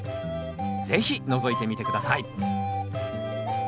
是非のぞいてみて下さい。